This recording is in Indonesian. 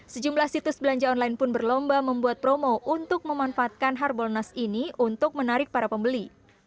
sejumlah situs belanja online pun berlomba membuat promo untuk memanfaatkan harbolnas ini untuk menarik para pembeli